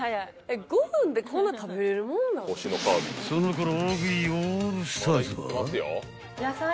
［そのころ］